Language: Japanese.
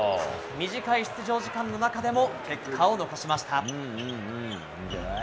短い出場時間の中でも結果を残しました。